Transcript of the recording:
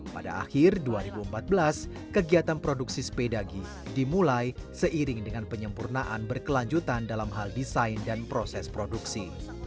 pada akhir dua ribu empat belas kegiatan produksi sepedagi dimulai seiring dengan penyempurnaan berkelanjutan dalam hal desain dan proses produksi